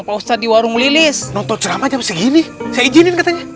aku ke dalam dulu ya